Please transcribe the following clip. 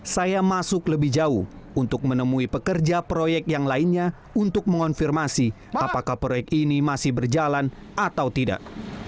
saya masuk lebih jauh untuk menemui pekerja proyek yang lainnya untuk mengonfirmasi apakah proyek ini masih berjalan atau tidak